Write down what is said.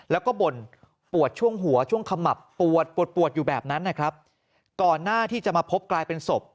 แล้วก็บ่นปวดช่วงหัวช่วงขมับปวดปวดปวดอยู่แบบนั้นนะครับก่อนหน้าที่จะมาพบกลายเป็นศพ